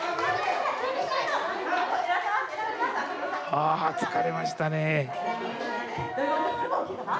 あ着かれましたね。